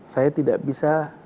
saya tidak bisa mengatur politik